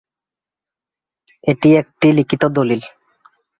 এটি একটি লিখিত দলিল।